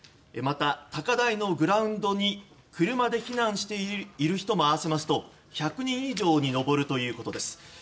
また、高台のグラウンドに車で避難している人も合わせますと１００人以上に上るということです。